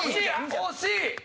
惜しい！